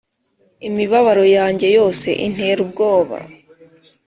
imibabaro yanjye yose intera ubwoba,